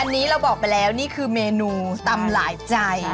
อันนี้เราบอกไปแล้วนี่คือเมนูตำหลายใจ